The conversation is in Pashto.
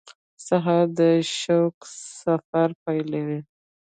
سهار د شوق سفر پیلوي.